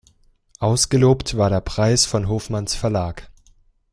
Ausgelobt war der Preis von Hofmanns Verlag.